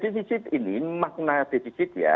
defisit ini makna defisit ya